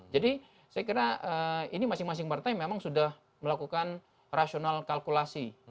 jadi saya kira ini masing masing partai memang sudah melakukan rational kalkulasi